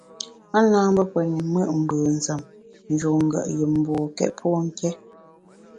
A na mbe pe te mùt mbùnzem, ń njun ngùet yùm mbokét pô nké.